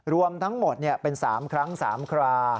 รวมทั้งหมดเป็น๓ครั้ง๓ครา